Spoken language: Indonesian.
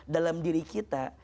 dalam diri kita